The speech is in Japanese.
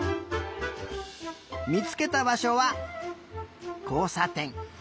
みつけたばしょはこうさてん。